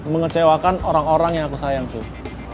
mengecewakan orang orang yang aku sayang sih